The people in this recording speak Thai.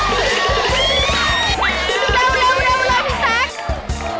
เร็วเลยจ๊าค